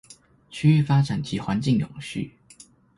區域發展及環境永續